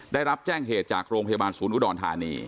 ได้รับแจ้งเหตุจากโรงพยาบาลศูนย์อุดรธานี